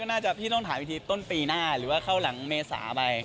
น่าจะพี่ต้องถามอีกทีต้นปีหน้าหรือว่าเข้าหลังเมษาไป